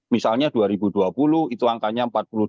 misalnya dua ribu dua puluh itu angkanya empat puluh dua